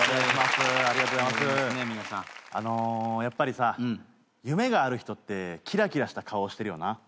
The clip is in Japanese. やっぱりさ夢がある人ってきらきらした顔してるよな。